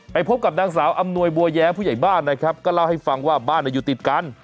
พบกับนางสาวอำนวยบัวแย้ผู้ใหญ่บ้านนะครับก็เล่าให้ฟังว่าบ้านอยู่ติดกัน